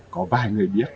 có vài người biết